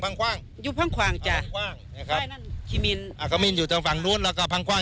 บริเวณนี้เป็นพื้นที่ใจกลางหรือเรียกว่าถนนสุกเกษม